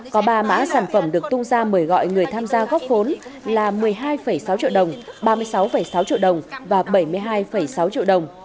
có ba mã sản phẩm được tung ra mời gọi người tham gia góp vốn là một mươi hai sáu triệu đồng ba mươi sáu sáu triệu đồng và bảy mươi hai sáu triệu đồng